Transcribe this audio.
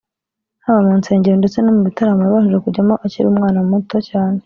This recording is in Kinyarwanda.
haba mu nsengero ndetse no mu bitaramo yabashije kujyamo akiri umwana muto cyane